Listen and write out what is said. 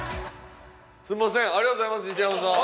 すみませんありがとうございます西山さん。